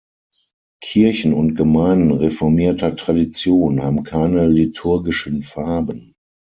Kirchen und Gemeinden reformierter Tradition haben keine liturgischen Farben.